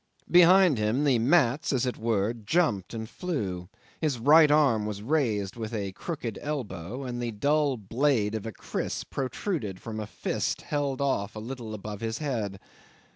Behind him the mats as it were jumped and flew, his right arm was raised with a crooked elbow, and the dull blade of a kriss protruded from his fist held off, a little above his head.